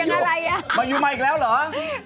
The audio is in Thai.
เอออะไรนะอารมณ์ดีอารมณ์ดีอะไรนะสดใหม่โอ้ยแต่มาอยู่เรียนแบบ